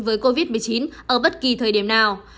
với covid một mươi chín ở bất kỳ thời điểm nào